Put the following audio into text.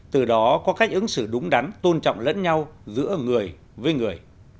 từ đó có cách ứng xử đúng đắn tôn trọng lẫn nhau giữa người với người